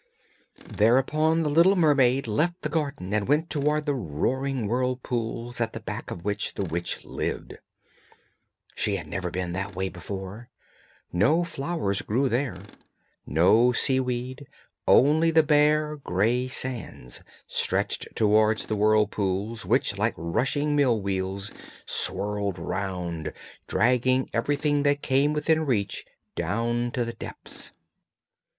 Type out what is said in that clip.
Thereupon the little mermaid left the garden and went towards the roaring whirlpools at the back of which the witch lived. She had never been that way before; no flowers grew there, no seaweed, only the bare grey sands, stretched towards the whirlpools, which like rushing mill wheels swirled round, dragging everything that came within reach down to the depths.